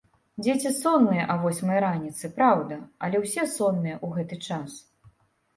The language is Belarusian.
Дзеці сонныя а восьмай раніцы, праўда, але ўсе сонныя ў гэты час.